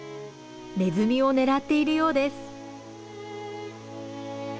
ネズミを狙っているようです。